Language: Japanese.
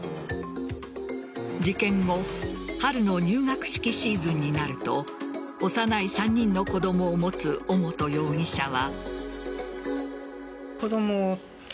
事件後春の入学式シーズンになると幼い３人の子供を持つ尾本容疑者は。